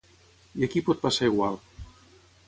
I aquí pot passar igual.